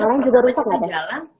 yang lain juga rusak gak deh